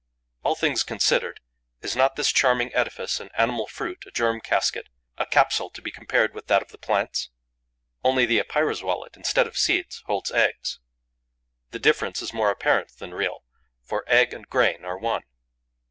All things considered, is not this charming edifice an animal fruit, a germ casket, a capsule to be compared with that of the plants? Only, the Epeira's wallet, instead of seeds, holds eggs. The difference is more apparent than real, for egg and grain are one.